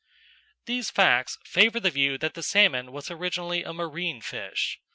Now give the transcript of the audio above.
These facts favour the view that the salmon was originally a marine fish.